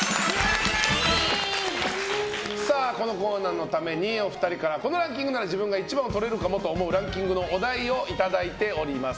このコーナーのためにお二人からこのランキングなら自分が１番をとれるかもと思うランキングのお題をいただいております。